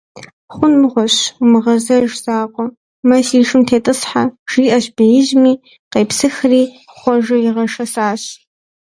Хъун мыгъуэщ, умыгъэзэж закъуэ, мэ си шым тетӀысхьэ, - жиӀэщ беижьми, къепсыхри Хъуэжэ игъэшэсащ.